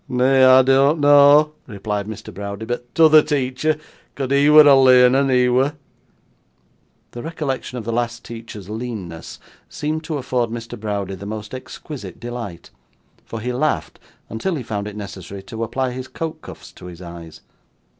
'Na; I dean't know,' replied Mr. Browdie, 'but t'oother teacher, 'cod he wur a learn 'un, he wur.' The recollection of the last teacher's leanness seemed to afford Mr. Browdie the most exquisite delight, for he laughed until he found it necessary to apply his coat cuffs to his eyes.